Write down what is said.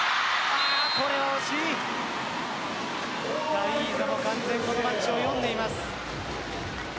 タイーザが完全にこのマッチを読んでいます。